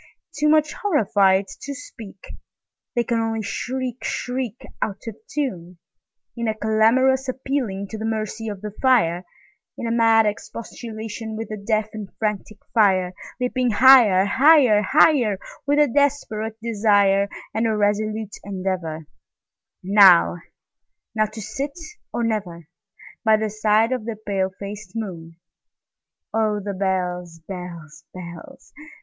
Too much horrified to speak, They can only shriek, shriek, Out of tune, In a clamorous appealing to the mercy of the fire, In a mad expostulation with the deaf and frantic fire, Leaping higher, higher, higher, With a desperate desire, And a resolute endeavorNow—now to sit or never, By the side of the pale faced moon. Oh, the bells, bells, bells!